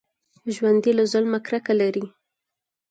ژوندي له ظلمه کرکه لري